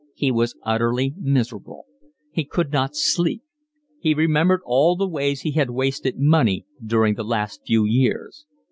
He was utterly miserable. He could not sleep. He remembered all the ways he had wasted money during the last few years.